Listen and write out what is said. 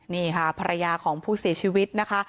นี่ค่ะภรรยาของผู้เสียชีวิตนะคะ